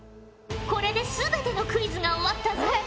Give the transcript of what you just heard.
これで全てのクイズが終わったぞ。